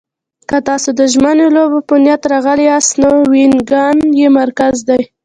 که تاسو د ژمنیو لوبو په نیت راغلي یاست، نو وینګن یې مرکز دی.